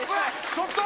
ちょっと！